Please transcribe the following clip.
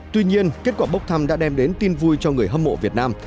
tuy nhiên kết quả bốc thăm đã đem đến tin vui cho người hâm mộ việt nam